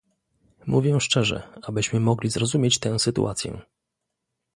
Mówię szczerze, abyśmy mogli zrozumieć tę sytuację